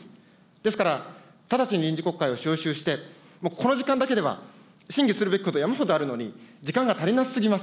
ですから、直ちに臨時国会を召集して、もう、この時間だけでは、審議するべきこと、山ほどあるのに、時間が足りなさすぎます。